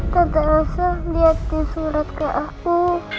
tante elsa diaktif surat ke aku